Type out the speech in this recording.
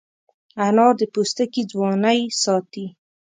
انار د پوستکي ځوانۍ ساتي.